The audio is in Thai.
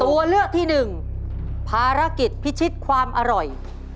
ตัวเลือกที่หนึ่งภารกิจพิชิตความอร่อย